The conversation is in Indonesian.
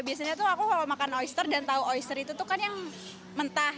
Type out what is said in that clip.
biasanya tuh aku kalau makan oister dan tahu oister itu tuh kan yang mentah